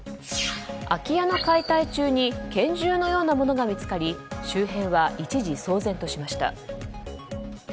空き家の解体中に拳銃のようなものが見つかり周辺は、一時騒然としました。